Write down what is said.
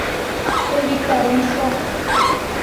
Тый виктарен шого.